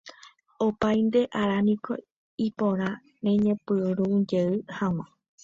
Opaite áraniko iporã reñepyrũjey hag̃ua